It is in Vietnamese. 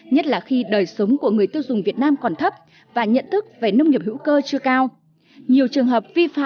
nhất là khi đời sống của người tiêu dùng việt nam còn thấp và nhận thức về nông nghiệp hữu cơ chưa cao